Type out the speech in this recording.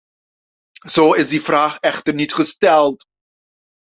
Zo is de vraag echter niet gesteld.